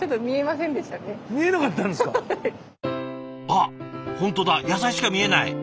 あっ本当だ野菜しか見えない！